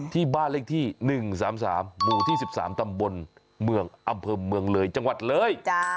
ที่บ้านเลขที่๑๓๓หมู่ที่๑๓ตำบลเมืองอำเภอเมืองเลยจังหวัดเลย